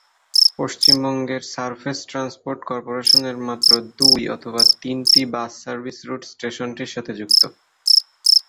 পশ্চিমবঙ্গের surface transport কর্পোরেশনের মাত্র দুই অথবা তিনটি বাস সার্ভিস রুট স্টেশনটির সাথে যুক্ত।